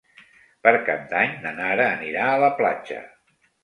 Per Cap d'Any na Nara anirà a la platja.